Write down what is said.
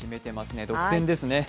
独占ですね。